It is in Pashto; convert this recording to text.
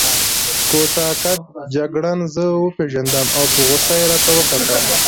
کوتاه قد جګړن زه وپېژندم او په غوسه يې راته وکتل.